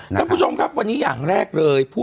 ท่านผู้ชมครับวันนี้อย่างแรกเลย